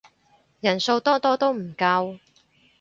人數多多都唔夠